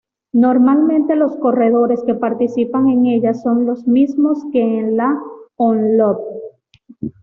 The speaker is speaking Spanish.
Normalmente los corredores que participan en ella son los mismos que en la Omloop.